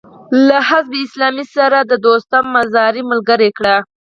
له حزب اسلامي سره يې دوستم او مزاري ملګري کړل.